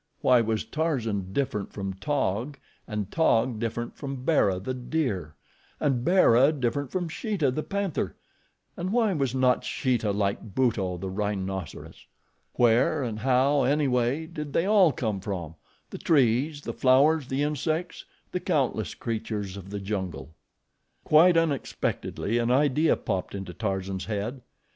Why was Tarzan different from Taug, and Taug different from Bara, the deer, and Bara different from Sheeta, the panther, and why was not Sheeta like Buto, the rhinoceros? Where and how, anyway, did they all come from the trees, the flowers, the insects, the countless creatures of the jungle? Quite unexpectedly an idea popped into Tarzan's head.